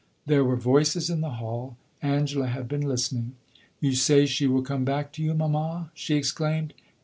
There were voices in the hall. Angela had been listening. "You say she will come back to you, mamma," she exclaimed.